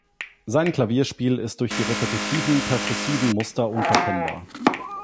Sein Klavierspiel ist durch die repetitiven perkussiven Muster unverkennbar.